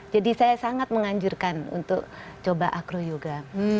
jadi saya sangat menganjurkan untuk coba acroyoga